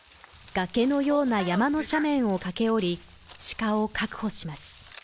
崖のような山の斜面を駆け下り鹿を確保します